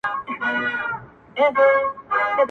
چي اسلام وي د طلا بلا نیولی -